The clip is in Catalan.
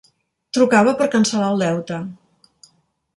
Trucava per cancel·lar el deute.